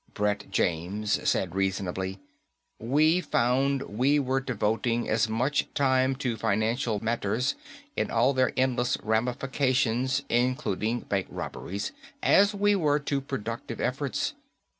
Brett James said reasonably, "We found we were devoting as much time to financial matters in all their endless ramifications including bank robberies as we were to productive efforts.